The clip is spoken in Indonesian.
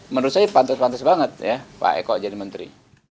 menurut saya pantas pantas banget ya pak eko jadi menteri